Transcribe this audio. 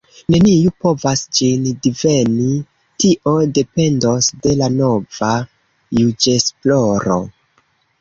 Neniu povas ĝin diveni: tio dependos de la nova juĝesploro.